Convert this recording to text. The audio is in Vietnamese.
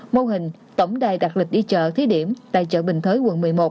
mô hình tổng đài đặt lịch đi chợ thí điểm tại chợ bình thới quận một mươi một